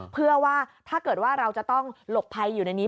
เพื่อว่าถ้าเกิดว่าเราจะต้องหลบภัยอยู่ในนี้